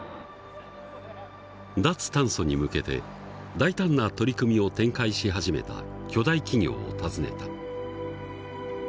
脱炭素に向けて大胆な取り組みを展開し始めた巨大企業を訪ねた。